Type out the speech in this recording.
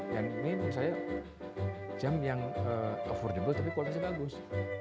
dan ini misalnya jam yang affordable tapi kualitasnya bagus